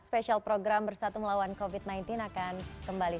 special program bersatu melawan covid sembilan belas akan kembali